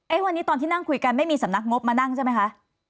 วันนี้ตอนที่นั่งคุยกันไม่มีสำนักงบมานั่งใช่ไหมคะ